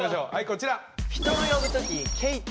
こちら。